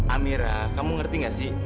amirah kamu ngerti nggak sih